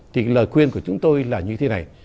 thì cái lời khuyên của chúng tôi là như thế này